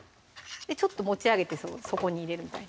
ちょっと持ち上げて底に入れるみたいな